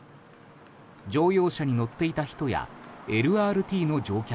乗用車に乗っていた人やＬＲＴの乗客